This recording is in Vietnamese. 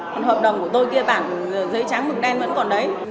còn hợp đồng của tôi kia bản giấy trắng mực đen vẫn còn đấy